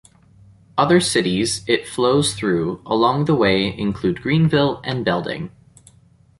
Other cities it flows through along the way include Greenville and Belding.